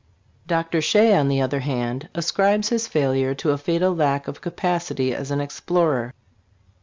Dr. Shea, on the other hand, ascribes his failure to a fatal lack of capacity as an explorer.